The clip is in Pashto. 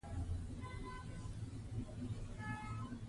کار وکړئ او پایله یې وګورئ.